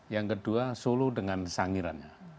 yang kedua solo dengan sangirannya